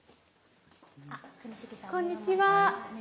こんにちは。